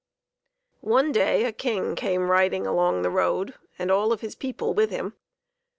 II. One day a king came riding along the road, and all of his people with him.